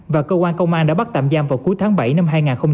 và cơ quan công an đã bắt tạm giam vào cuối tháng bảy năm hai nghìn hai mươi ba